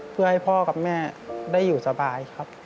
เพื่อให้พ่อกับแม่ได้อยู่สบายครับ